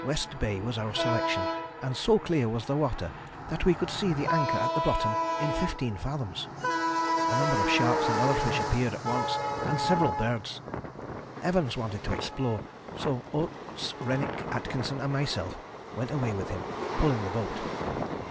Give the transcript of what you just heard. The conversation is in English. West Bay was our selection, and so clear was the water that we could see the anchor at the bottom in 15 fathoms. A number of sharks and other fish appeared at once and several birds. Evans wanted to explore, so Oates, Rennick, Atkinson and myself went away with him pulling the boat.